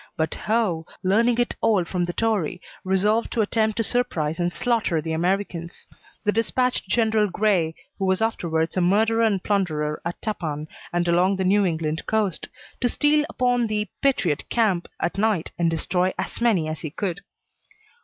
But Howe, learning it all from the Tory, resolved to attempt to surprise and slaughter the Americans. He despatched General Grey (who was afterwards a murderer and plunderer at Tappan and along the New England coast) to steal upon the patriot camp at night and destroy as many as he could.